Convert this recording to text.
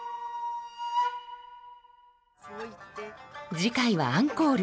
次回はアンコール。